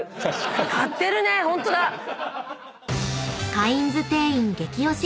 ［カインズ店員激オシ！